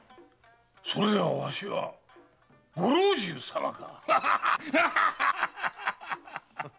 それではわしはご老中様か？